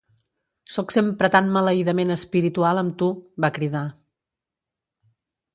"Sóc sempre tan maleïdament espiritual amb tu!" va cridar.